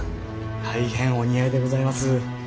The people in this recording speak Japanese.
大変お似合いでございます。